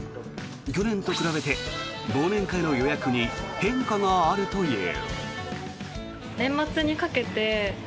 去年と比べて忘年会の予約に変化があるという。